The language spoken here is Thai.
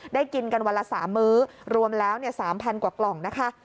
กินกันวันละ๓มื้อรวมแล้ว๓๐๐กว่ากล่องนะคะ